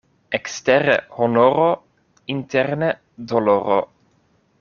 Ekstere honoro, interne doloro.